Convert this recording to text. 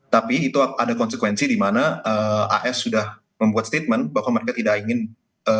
tapi itu ada konsekuensi di mana as sudah membuat statement bahwa mereka tidak ingin